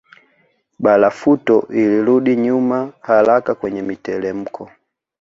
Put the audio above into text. Barafuto ilirudi nyuma haraka kwenye mitelemko